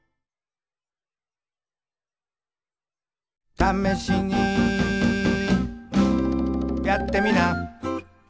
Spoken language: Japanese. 「ためしにやってみな」